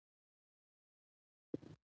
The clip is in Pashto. • د ملګرو سره کښېنه.